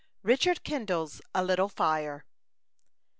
RICHARD KINDLES A LITTLE FIRE.